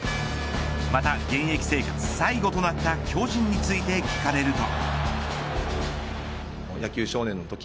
また、現役生活最後となった巨人について聞かれると。